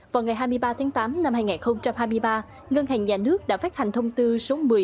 vào ngày hai mươi ba tháng tám năm hai nghìn hai mươi ba ngân hàng nhà nước đã phát hành thông tư số một mươi